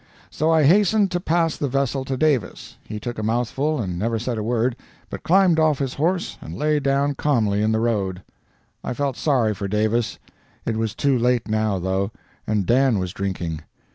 So I hastened to pass the vessel to Davis. He took a mouthful, and never said a word, but climbed off his horse and lay down calmly in the road. I felt sorry for Davis. It was too late now, though, and Dan was drinking.